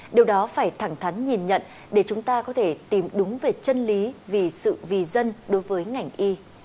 điều đó phải thẳng thắn nhìn nhận để chúng ta có thể tìm đúng về chân lý vì sự vì dân đối với ngành y